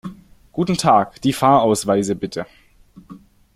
Guten Tag, die Fahrausweise bitte!